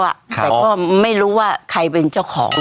แต่ก็ไม่รู้ว่าใครเป็นเจ้าของ